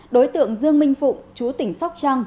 đối tượng dương minh phụng chú tỉnh sóc trăng